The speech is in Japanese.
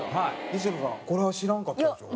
西野さんこれは知らんかったでしょ？